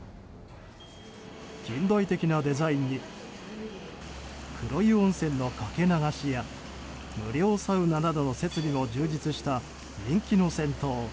近代的なデザインに黒湯温泉のかけ流しや無料サウナなどの設備も充実した人気の銭湯